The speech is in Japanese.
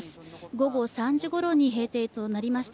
午後３時ごろに閉廷となりました